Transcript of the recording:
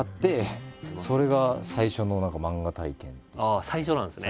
ああ最初なんですね。